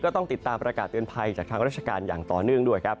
ต้องติดตามประกาศเตือนภัยจากทางราชการอย่างต่อเนื่องด้วยครับ